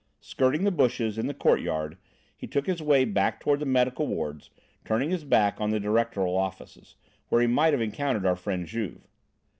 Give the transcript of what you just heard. Skirting the bushes in the courtyard he took his way toward the medical wards, turning his back on the directoral offices, where he might have encountered our friend Juve.